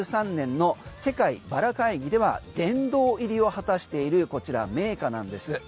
１９８３年の世界バラ会議では殿堂入りを果たしている名花なんです。